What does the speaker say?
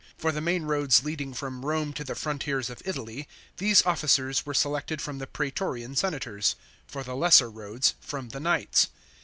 For the main roads leading from Rome to the frontiers of Italy, these officers were selected from the praetorian senators ; for the lesser roads, from the knights.